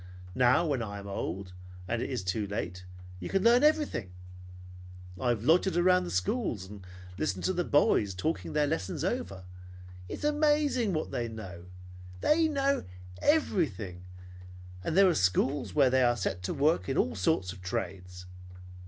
Now when I am old and it is too late, you can learn everything. I have loitered around the schools and listened to the boys talking their lessons over. It is amazing what they know. Why, they know everything! And there are schools where they are set to work at all sorts of trades.